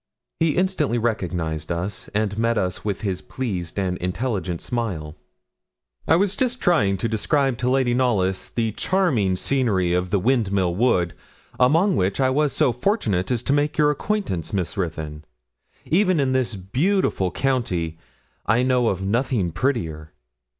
He instantly recognised us, and met us with his pleased and intelligent smile. 'I was just trying to describe to Lady Knollys the charming scenery of the Windmill Wood, among which I was so fortunate as to make your acquaintance, Miss Ruthyn. Even in this beautiful county I know of nothing prettier.'